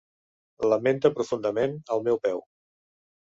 Lamenta profundament, el meu peu.